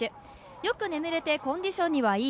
よく眠れてコンディションはいい。